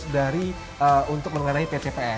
dari untuk mengenai pcpm